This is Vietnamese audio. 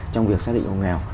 trong việc xác định hộ nghèo